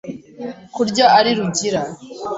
Kurya ari Rugira